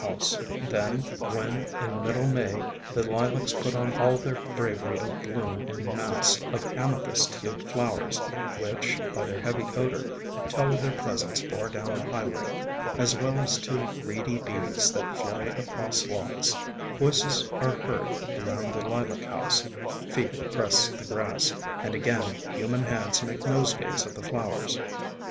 ESCAPED FROM GARDENS 67 Then, when in middle May the Lilacs put on all their bravery of bloom in mass of amethyst hued flowers, which by their heavy odor tell of their presence far down the highway, as well as to greedy bees that fly across lots, voices are heard around the Lilac House, feet press the grass, and again human hands make nosegays of the flowers.